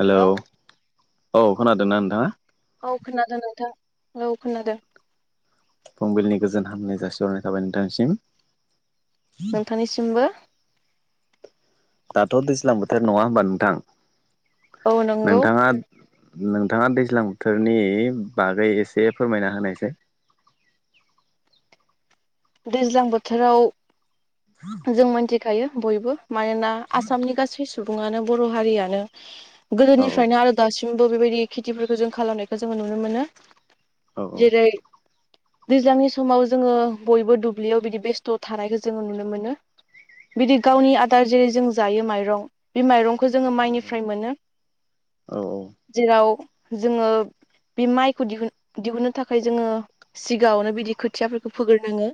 Hello औ खोनादोंना नोंथाङा? औ खोनादों नोंथां औ खोनादों। फुंबिलिनि गोजोन हामनाय जासिहरनाय थाबाय नोंथांनिसिम। नोंथांनिसिमबो। दाथ' दैज्लां बोथोर नङा होनोमबा नोंथां? औ नंगौ नोंथाङा नोंथाङा दैज्लां बोथोरनि बागै एसे फोरमायना होनायसाय। दैज्लां बोथोराव [inaudible] जों मोनथिखायो बयबो मानोना आसामनि गासै सुबुङानो बर' हारियानो औ गोदोनिफ्रायनो आरो दासिमबो बेबायदि खेथिफोरखौ जों खालामनायखौ जोङो नुनो मोनो। औ औ जेरै दैज्लांनि समाव जोङो बयबो दुब्लियाव बिदि बेस्थ' थानायखौ जोङो नुनो मोनो। बिदि गावनि आदार जेरै जों जायो माइरं। बे माइरंखौ जोङो औ माइनिफ्राय मोनो औ जेराव जोङो। बे माइखौ दिहुन दिहुननो थाखाय जोङो। सिगाङावनो बिदि खोथियाफोरखौ फोग्रोनङो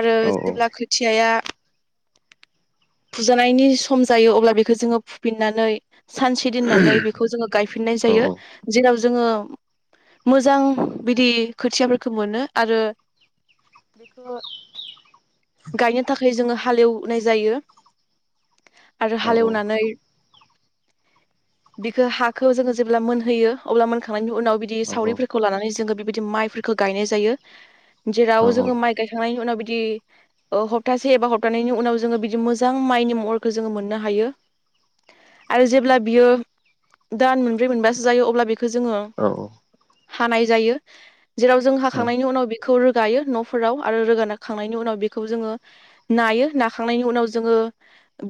आरो औ जेब्ला खोथियाया फुजानायनि सम जायो अब्ला बिखो जोङो फुफिननानै सानसे दोननानै बेखौ जोङो गायफिननाय औ जायो। जेराव जोङो मोजां बिदि खोथियाफोरखो मोनो आरो बिखो गायनो थाखाय जोङो हालेवनाय जायो आरो औ हालेवनानै बिखो हाखौ जोङो जेब्ला मोनहोयो अब्ला मोनखांनायनि उनाव बि दि औ औ सावरिफोरखौ लानानै जोङो बिबायदि माइफोरखौ गायनाय जायो जेराव जों औ माइ गायखांनायनि उनाव बिदि ओ ह्तासे एबा हप्तानैनि उनाव जोङो बिदि मोजां माइनि महरखौ जोङो मोननो हायो। आरो जेब्ला बियो दान मोनब्रै मोनबासो जायो अब्ला बेखौ जोङो औ औ हानाय जायो जेराव जों हाखांनायनि उनाव बे खौ रोगायो न'फोराव आरो रोगानाखांनायनि उनाव बिखौ जोङो नायो नाखांनायनि उनाव जोङो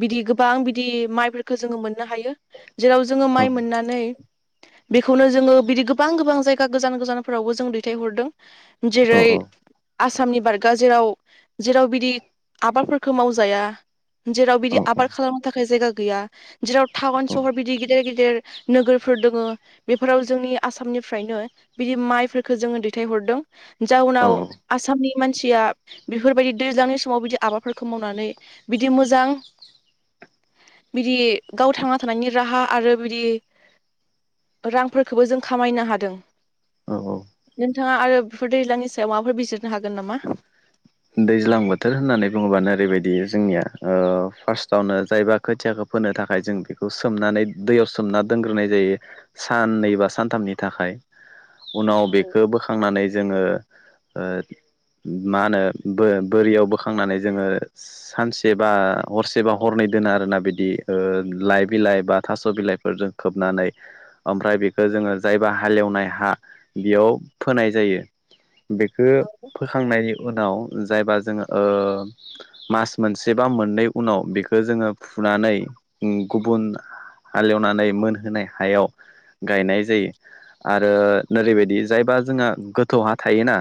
बिदि गोबां बिदि माइफोरखो जोङो मोननो हायो जेराव जोङो माइ मोननानै बेखौनो जोङो बिदि गोबां गोबां जायगा गोजान गोजानफोरावबो जों दैथायहरदों जेरै आसामनि बारगा जेराव जेराव बिदि आबादफोरखौ मावजाया जेराव बिदि आबाद खालामनो थाखाय जायगा गैया जेराव टाउन सहर बिदि गिदेर गिदेर नोगोरफोर दोङो बेफोराव जोंनि आसामनिफ्रायनो बिदि माइफोरखो जोङो दैथायहरदों। जाउनाव औ आसामनि मानसिया बिफ फोरबायदि दैज्लांनि समाव बिदि आबादफोरखौ मावनानै बिदि मोजां बिदि गाव थांना थानायनि राहा आरो बिदि रांफोरखोबो जों खामायनो हादों औ औ नोंथाङा आरो बिफोर दैज्लांनि सायाव माबाफोर बिजिरनो हागोन नामा? दैज्लां बोथोर होननानै बुङोब्लानो ओरैबायदि जोंनिया ओ फार्स्टआवनो जाय बाख खोथियाखौ फोनो थाखाय जों बेखौ सोमनानै दैयाव सोमना दोनग्रोनाय जायो। साननै बा सानथामनि थाखाय उनाव औ बेखौ बोखांनानै जोङो ओ मा होनो बो बोरियाव बोखांनानै जोङो सानसे बा हरसेबा हरनै दोनो आरोना बिदि ओ लाइ बिलाइ बा थास' बिलाइफोरजों खोबनानै ओमफ्राय बिखौ जोङो जायबा हालेवनाय हा बेयाव फोनाय जायो। बेखो औ फोखांनायनि उनाव जायबा जोङो ओ मास मोनसे बा मोननै उनाव बेखौ जोङो फुनानै उम गुबुन हालेवनानै मोनहोनाय हायाव गायनाय जायो। आरो ओरैबायदि जायबा जोंहा गोथौ हा थायोना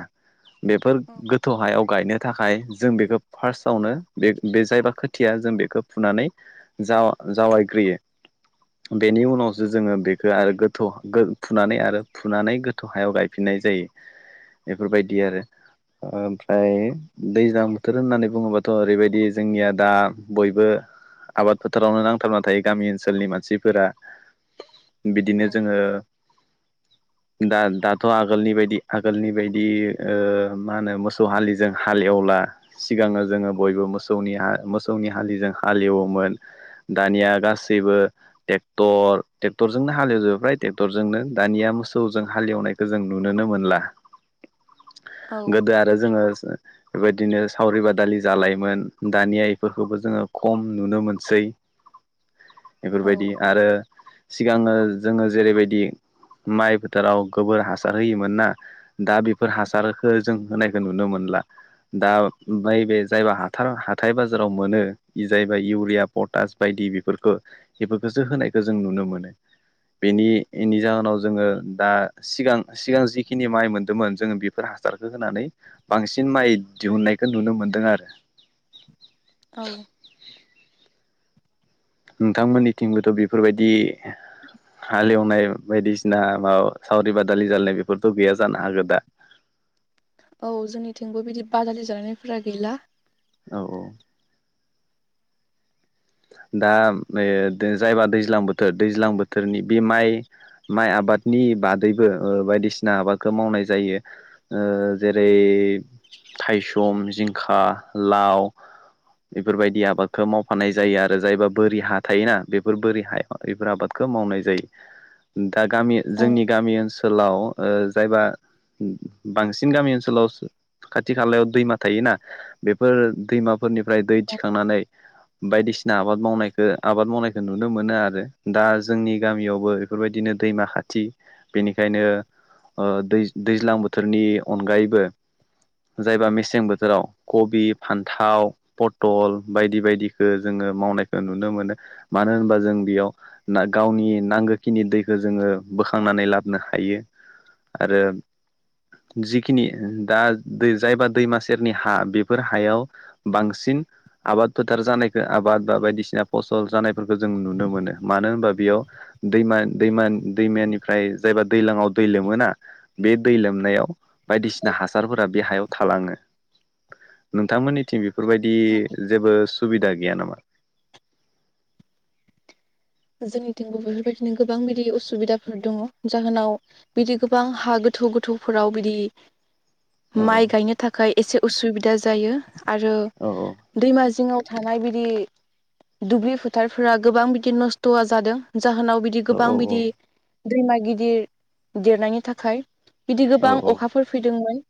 बेफोर गोथौ हायाव गायनो थाखाय जों बेखो फार्स्टआवनो बे बे जायबा खोथिया जों बेखौ फुनानै जाव जावायग्रोयो बेनि उनावसो जोङो बेखो आरो गोथौ फुनानै आरो फुनानै गोथ खौहायाव गायफिननाय जायो इफोरबायदि आरो ओमफ्रा ओइ दैज्लां बोथोर होननानै बुङोबाथ' ओरैबायदि जोंनिया दा बयबो आबाद फोथारावनो नांथाबना थायो गामि ओनसोलनि मानसिफोरा बिदिनो जोङो दा दाथ' आगोलनि बायदि आगोलनि बायदि ओ मा होनो मोसौ हालिजों हाल एवला। सिगाङो जोङो बयबो मोसौनि आ मोसौनि हालिजों हालेवोमोन। दानिया गासैबो ट्रेक्टर ट्रेक्टरजोंनो हालेवजोबाय ट्रेक्टरजोंनो दानिया मोसौजों हालेवनाय जों नुुनोनो मोनला औ गोदो आरो जोङो बेबायदिनो सावरि बादालि जालायोमोन दानिया एफोरखौबो जोङो खम नुनो मोनसै। बेफोरबायदि आरो सिगाङो जोङो जेरैबायदि माइ फोथोराव गोबोर हासार होयोमोन ना दा बेफोर हासारखो जों होनाय नुनो मोनला। दा ओमफाय बे जायबा हाथार हाथाय बाजाराव मोनो जायबा इउरिया पटास बायदि बेफोरखो बेफोरथौसो होनायखौ जों नुनो मोनो। बेनिनि एनि जाहोनाव जोङो दा सिगां सिगां जिखिनि माइ मोन्दोंमोन जोङो बेफोर हासारखौ होनानै बांसिन माइ दिहुननायखौ नुनो मोन्दों आरो। औ। नोंथांमोननिथिंबोथ' बेफोरबायदि हालेवनाय बायदिसिना माबा सावरि बादालि जालनाय बेफोरथ' गैया जानो हागौ दा। औ जोंनिथिंबो बिदि बादालि जालायनायफोरा गैला। औ औ। दा ओ जायबा दैज्लां बोथोर दैज्लां बोथोरनि बे माइ माइ आबादनि बादैबो ओ बायदिसिना आबादखौ मावनाय जायो। ओ जेरै थाइसम जिंखा लाव बेफोरबायदि आबादखौ मावफानाय जायो आरो जायबा बोरि हा थायोना बेफोर बोरि हाया बेफोर आबादखौ मावनाय जायो। दा गामि ओ जोंनि गामि ओनसो सोलाव ओ जायबा बांसिन गामि ओनसोलाव खाथि खालायाव दैमा थायोना बेफोर दैमाफोरनिफ्राय दै थिखांनानै बायदिसिना आबाद मावनायखौ आबाद मावनायखौ नुनो मोनो आरो दा जोंनि गामियावबो बेफोरबायदिनो दैमा खाथि बेनिखायनो ओ दै दैज्लां बोथोरनि अनगायैबो जायबा मेसें बोथोराव कबि फान्थाव पथल बायदि बायदि जोङो मावनायखौ नुनो मोनो मानो होनबा जों बेयाव ना गावनि नांगोखिनि दैखौ जोङो बोखांनानै लाबोनो हायो। आरो जिखिनि दा जायबा दैमा सेरनि हा बेफोर हायाव बांसिन आबाद फोथार जानाय आबाद बा बायदिसिना फसल जानायफोरखौ जों नुनो मोनो मानो होनबा बेयाव दैमा दैमा दैमानिफ्राय जायबा दैजलांआव दै लोमोना बे दै लोमनायाव बायदिसिना हासारफोरा बे हायाव थालाङो नोंथांमोननिथिं बे-घ- बेफोरबायदि जेबो सुबिदा गैया नामा? जोंनिथिंबो बेफोरबायदिनो गोबां बिदि असुबिदाफोर दङ जाहोनाव बिदि गोबां हा गोथौ गोथौफोराव बिदि माइ गायनो थाखाय एसे उसुबिदा जायो आरो औ औ। दैमा जिङाव थानाय बिदि दुब्लि फोथारफोरा गोबां बिदि नस्थ द'वा जादों जाहोनाव बिदि गोबां बिदि दैमा गिदिर देरनायनि थाखाय बिदि गोबां अखा फोर फैदोंमोन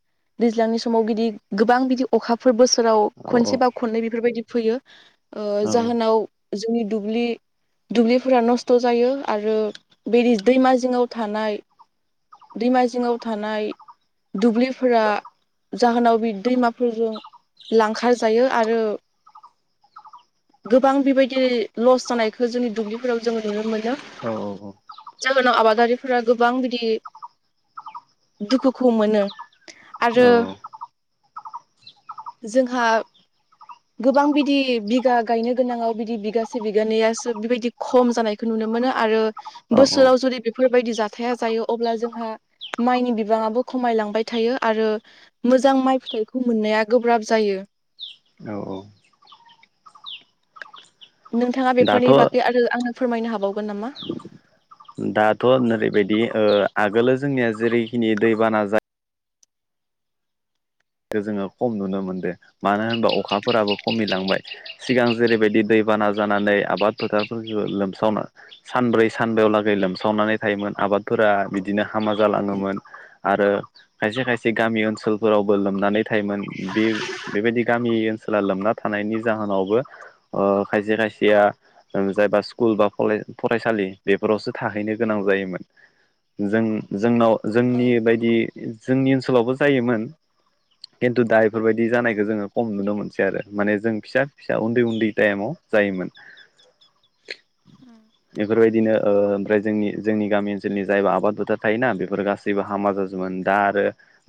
दैज्लांनि समाव बिदि गोबां बिदि अखाफोर बोसोराव खनसे बा खननै बेफोरबायदि फैयो जाहोनाव जोंनि दुब्लि दुब्लिफोरा नस्थ' जायो आरो बे दैमा जिङाव थानाय दैमा जिङाव थानाय दुब्लिफोरा जाहोनाव बे दैमाफोरजों लांखार जायो आरो गोबां बेबायदि लस जानायखौ जोंनि दुब्लिफोराव जोंङो नुनो मोनो? औ औ औ जाहोनाव आबादारिफोरा गोबां बिदि दुखुखौ मोनो आरो जोंहा गोबां बिदि बिगा गायनो गोनांङाव बिदि बिगासे बिगानैयासो बिबायदि खम जानायखौ नुनो मोनो आरो बोसोराव जुदि फोरफोरबायदि जाथाया जायो अब्ला जोंहा माइनि बिबांङाबो खमायलांबाय थायो आरो मोजां माइ फिथाइखौ मोननाया गोब्राब जायो। औ औ नोंथांङा बेफोरनि दाथ' बागै आरो आंनो फोरमायनो हाबावगोन नामा? दाथ' ओरैबायदि आगोलो जोंनिया जेरैखिनि दैबाना जायो। जोंङो खम नुनो मोनदों मानो होनबा अखाफोराबो खमायलांबाय। सिगां जेरैबायदि दैबाना जानानै आबाद फोथारफोरखौ लोमसावनो सानब्रै सानबायाव लागै लोमसावनानै थायोमोन आबाद फोर बिदिनो हामा जालांङोमोन आरो खायसे खायसे गामि ओनसोलफोरावबो लोमनानै थायोमोन बे बेबायदि गामि ओनसोला लोमना थानायनि जाहोनावबो खायसे खायसेया जायबा स्कुल बालेज फरायसालि बेफोरावसो थाहैनो गोनां जायोमोन जों जोंनाव औ जोंनि बायदि जोंनि ओनसोलावबो जायोमोन खिन्थु दा बेफोरबायदि जानायखौ जोंङो खम नुनो मोनसै आरो। माने जों फिसा फिसा उन्दै उन्दै टाइमाव जायोमोन। ह बेफोरबायदिनो ओमफ्राय जोंनि जोंनि गामि ओनसोलनि जायबोा आबाद बोथार थायोना बेफोर गासैबो जेबो हामा जाजोबोमोन दा आरो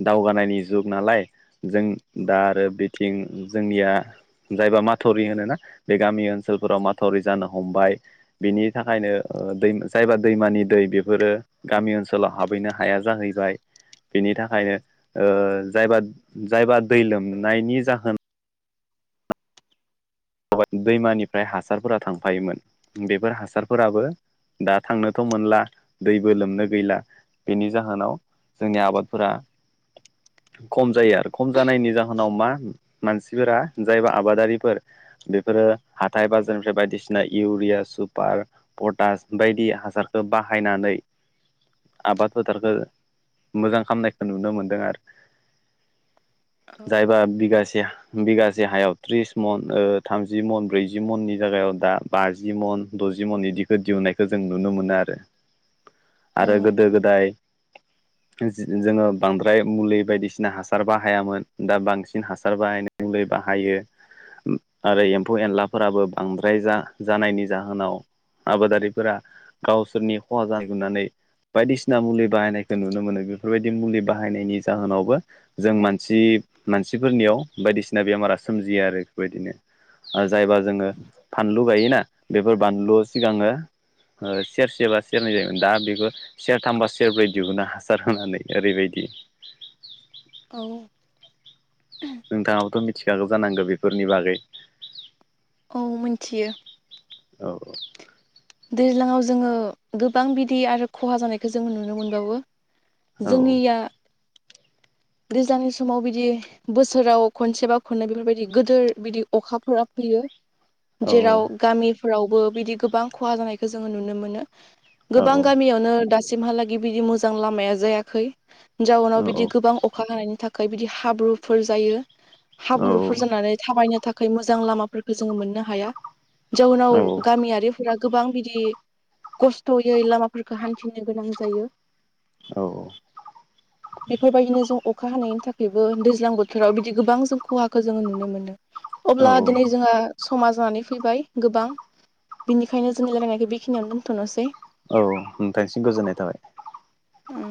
दावगानायनि जुग नालाय जों दा आरो बेथिं जोंनिया जायबा माथरि होन ना बे गामि ओनसोलफोराव माथरि जानो हमबाय बिनि थाखायनो दै जायबा दैमानि दै बेफोरो गामि ओनसोलाव हाबहैनो हाया जाहैबाय बेनि थाखायनो जायबा जायबा दै लोमनायनि जाहोनाव दैमानिफ्राय हासारफोरा थांफायोमोन बेफोर हासारफोराबो दा थांनोथ' मोनला दैबो लोमनो गैला बेनि जाहोनाव जोंनि आबादफोरा खम जायो आरो खम जानायनि जाहोनाव मा? मानसिफोरा जायबा आबादारिफोर बेफोरो हाथाय बाजारनिफ्राय बायदिसिना इउरिया सुपार पटास बायदि हासारखौ बाहायनानै आबाद फोथारखौ मोजां खालामामनायखौ नुनो मोनदों आरो औ जायबा बिगासे बिगासे हायाव त्रिस मन थामजि मन ब्रैजि मननि जायगायाव दा बाजि मन द'जि मननि दि दिहुननायखौ जों नुनो मोनो आरो औ आरो गोदो गोदाय जोंङो बांद्राय मुलि बायदिसिना हासार बाहायामोन दा बांसिन हासार बाहायनाय जोलै बाहायो आरो एम्फौ एनलाफोराबो बांद्राय जा जानायनि जाहोनाव आबादारिफोरा गावसोरनि खहा जागोन होननानैय बायदिसिना मुलि बाहायनायखौ नुनो मोनो। बेफोरबायदि मुलि बाहायनायनि जाहोनावबो जों मानसि मानसिफोरनियाव बायदिसिना बेमारा सोमजियो आरो बेफोरबायदिनो आरो जायबा जोंङो फानलु गायोना बेफोर बानलु सिगांङो? सेरसेबा सेरनै जायोमोन दा बेखौ सेर थामबा सेरब्रै दिहुना हासार होनानै ओरैबायदि औव नोंथांङाबोथ' मिथिखागौ जानांगौ बेफोरनि बागै? औ मिथियो औ औ दैज्लाङाव जोङो गोबां बिदि आरो खहा जानायखौ जोङो नुनो मोनबावो औ जोंनिया दैजलांनि समाव बिदि बोसोराव खनसेबा खननै बेफोरबायदि गिदिर बिदि अखाफोरा फैयो औ जेराव गामिफोरावबो बिदि गोबां खहा जानायखौ जोङो नुनो मोनो। औ गोबां गामियावनो दासिमहालागै बिदि मोजां लामाया जायाखै जाउनाव औ औ बिदि गोबां जानायनि थाखाय बिदि हाब्रुफोर जायो। औ हाब्रुफोर जानानै थाबायनो थाखाय थाखाय मोजां लामाफोरखौ जोङो मोननो हाया औ जउनाव गामियारि फोर गोबां बिदि खस्थ'यै लामाफोरखौ हान्थिनो गोनां जायो। औ औ बेफोरबायदिनो जों अखा हानायनि थाखायबो दैज्लां बोथोराव बिदि गोबां जों खहाखौ जोङो नुनो मोनदों। औ अब्ला दिनै जोंहा समा जानानै फैबाय गोबां बिनिखायनो जोंनि रायलायनायखौ बेखिनियावनो दोन्थ'नोसै औ नोंथांनिसिम गोजोननाय थाबाय। उम